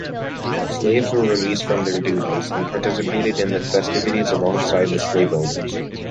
Slaves were released from their duties, and participated in the festivities alongside the slave-owners.